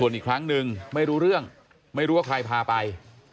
อีกครั้งหนึ่งไม่รู้เรื่องไม่รู้ว่าใครพาไป